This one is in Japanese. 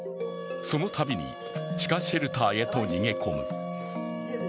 そのたびに地下シェルターへと逃げ込む。